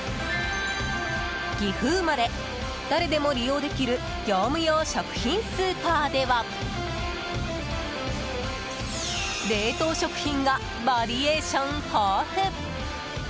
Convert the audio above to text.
岐阜生まれ、誰でも利用できる業務用食品スーパーでは冷凍食品がバリエーション豊富。